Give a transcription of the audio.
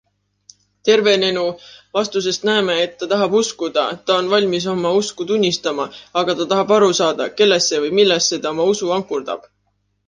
Tervenenu vastusest näeme, et ta tahab uskuda, ta on valmis oma usku tunnistama, aga ta tahab aru saada, kellesse või millesse ta oma usu ankurdab.